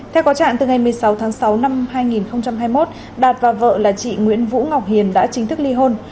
theo có trạng từ ngày một mươi sáu tháng sáu năm hai nghìn hai mươi một đạt và vợ là chị nguyễn vũ ngọc hiền đã chính thức ly hôn